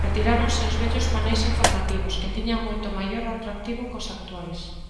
Retiráronse os vellos paneis informativos, que tiñan moito maior atractivo cos actuais.